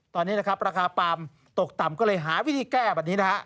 ตอนนี้นะครับราคาปาล์มตกต่ำก็เลยหาวิธีแก้แบบนี้นะฮะ